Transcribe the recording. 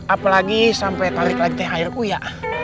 apalagi sampai tarik lagi thr u ya